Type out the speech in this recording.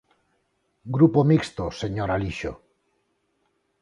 Grupo Mixto, señor Alixo.